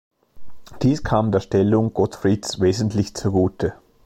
Dies kam der Stellung Gottfrieds wesentlich zugute.